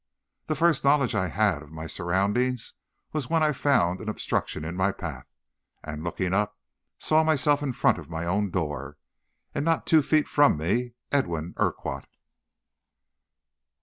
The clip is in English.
The first knowledge I had of my surroundings was when I found an obstruction in my path, and looking up, saw myself in front of my own door, and not two feet from me, Edwin Urquhart."